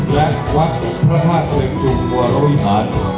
และวัฒนธรรมเชิงชุมวัลวิหาร